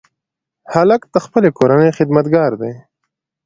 هلک د خپلې کورنۍ خدمتګار دی.